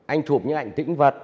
anh chụp những ảnh tĩnh vật